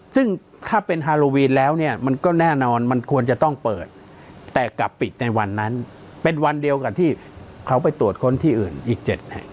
ซึ่งถ้าเป็นฮาโลวีนแล้วเนี่ยมันก็แน่นอนมันควรจะต้องเปิดแต่กลับปิดในวันนั้นเป็นวันเดียวกับที่เขาไปตรวจค้นที่อื่นอีก๗แห่ง